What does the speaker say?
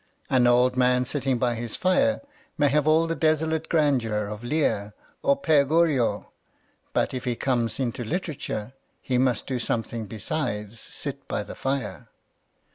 An old man sitting by his fire may have all the desolate grandeur of Lear or P6re Goriot, but if he comes into literature (le must do something besides sit by the ^.re.